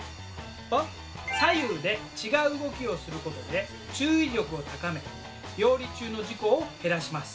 左右で違う動きをすることで注意力を高め料理中の事故を減らします。